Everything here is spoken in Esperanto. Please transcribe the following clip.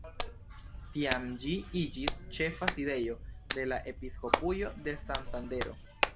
Tiam ĝi iĝis ĉefa sidejo de la episkopujo de Santandero.